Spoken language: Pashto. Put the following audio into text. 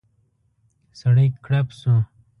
سړی کړپ شو.